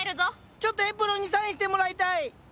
ちょっとエプロンにサインしてもらいたい！